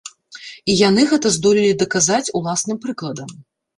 І яны гэта здолелі даказаць уласным прыкладам.